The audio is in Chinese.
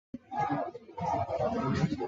此列出金庸笔下武侠小说之武功。